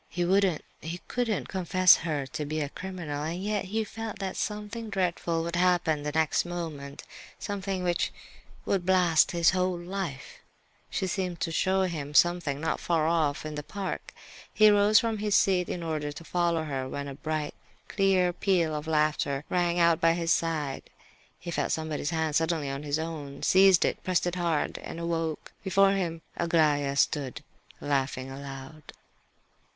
He wouldn't, he couldn't confess her to be a criminal, and yet he felt that something dreadful would happen the next moment, something which would blast his whole life. She seemed to wish to show him something, not far off, in the park. He rose from his seat in order to follow her, when a bright, clear peal of laughter rang out by his side. He felt somebody's hand suddenly in his own, seized it, pressed it hard, and awoke. Before him stood Aglaya, laughing aloud.